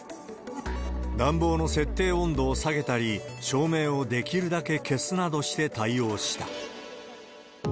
暖房の設定温度を下げたり、照明をできるだけ消すなどして対応した。